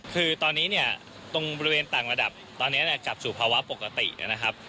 คือตอนนี้เนี่ยตรงบริเวณต่างระดับตอนนี้กลับสู่ภาวะปกตินะครับ